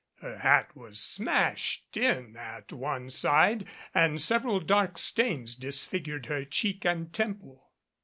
Her hat was smashed in at one side and several dark stains disfigured her cheek and temple.